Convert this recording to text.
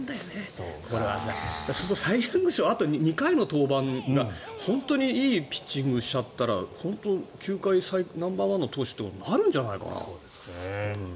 そうするとサイ・ヤング賞あと２回の登板が本当にいいピッチングをしちゃったら本当、球界ナンバーワンの投手ってことになるんじゃないかな。